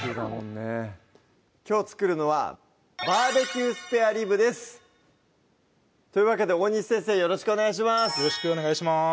きょう作るのは「ＢＢＱスペアリブ」ですというわけで大西先生よろしくお願いします